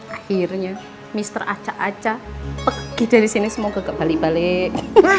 akhirnya mister aca aca pergi dari sini semoga gak balik balik